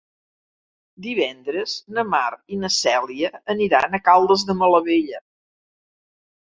Divendres na Mar i na Cèlia aniran a Caldes de Malavella.